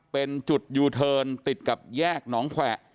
เป็นจุดยูเทิร์นติดกับแยกหนองแขวะ